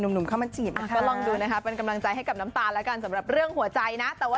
เราก็ต้องแบบว่ายเขาเข้ามาไปก่อน